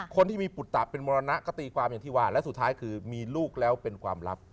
คนที่มีปุตตะเป็นมรณะก็ตีความอย่างที่ว่าและสุดท้ายคือมีลูกแล้วเป็นความลับ